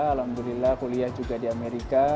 alhamdulillah kuliah juga di amerika